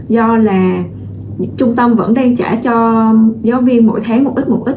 do là trung tâm vẫn đang trả cho giáo viên mỗi tháng một ít một ít